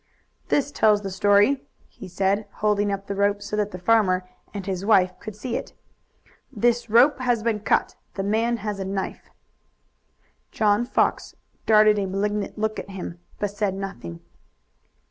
"This tells the story," he said, holding up the rope so that the farmer and his wife could see it. "This rope has been cut. The man has a knife." John Fox darted a malignant look at him, but said nothing.